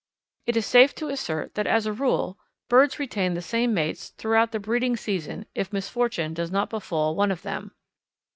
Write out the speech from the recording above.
It is safe to assert that as a rule birds retain the same mates throughout the breeding season if misfortune does not befall one of them.